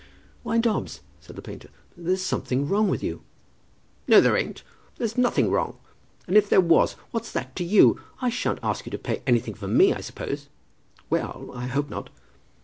"Why, Dobbs," said the painter, "there's something wrong with you." "No, there ain't. There's nothing wrong; and if there was, what's that to you? I shan't ask you to pay anything for me, I suppose." "Well; I hope not."